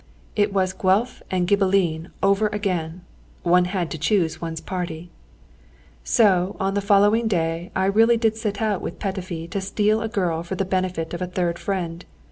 It was Guelph and Ghibelline over again. One had to choose one's party. So on the following day I really did set out with Petöfi to steal a girl for the benefit of a third friend.